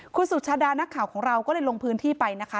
คุณสุชาดานักข่าวของเราก็เลยลงพื้นที่ไปนะคะ